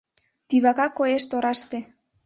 Тӱвака коеш тораште